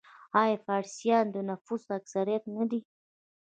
آیا فارسیان د نفوس اکثریت نه دي؟